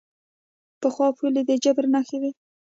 پخوا پولې د جبر نښه وې.